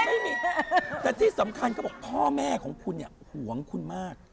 ไม่มีแต่ที่สำคัญเขาบอกพ่อแม่ของคุณเนี่ยห่วงคุณมาก